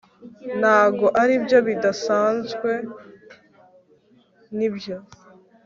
ntabwo aribyo bidasanzwe, nibyo